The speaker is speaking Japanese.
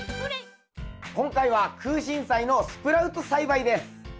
今回はクウシンサイのスプラウト栽培です。